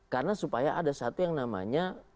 karena supaya ada satu yang namanya